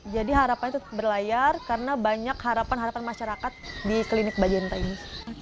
jadi harapannya tetap berlayar karena banyak harapan harapan masyarakat di klinik bacenta ini